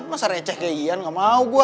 masa receh kayak ginian gak mau gue